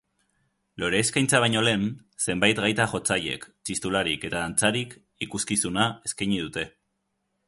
Lore-eskaintza baino lehen, zenbait gaita-jotzailek, txistularik eta dantzarik ikuskizuna eskaini dute.